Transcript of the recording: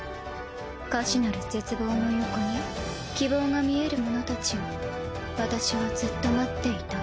可視なる絶望の横に希望が視える者たちを私はずっと待っていた。